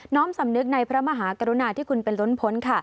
้อมสำนึกในพระมหากรุณาที่คุณเป็นล้นพ้น